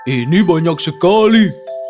ini banyak sekali